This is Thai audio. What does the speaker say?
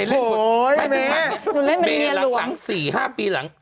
หนูเล่นเป็นเนี้ยล้วงเม้ยหลัง๔๕ปีหลัง